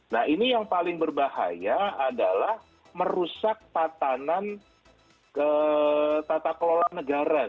nah ini yang paling berbahaya adalah merusak tatanan tata kelola negara